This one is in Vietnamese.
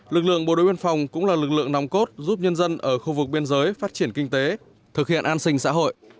lực lượng bộ đội biên phòng cũng là lực lượng nòng cốt giúp nhân dân ở khu vực biên giới phát triển kinh tế thực hiện an sinh xã hội